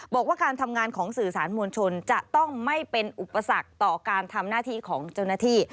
บอกว่าการทำงานของสื่อสารมวลชนจะต้องไม่เป็นอุปสรรคต่อการทำหน้าที่ของเจ้าหน้าที่